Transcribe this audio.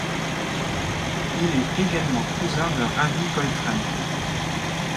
Il est également cousin de Ravi Coltrane.